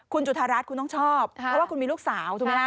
คุณจุธรัฐคุณต้องชอบเพราะว่าคุณมีลูกสาว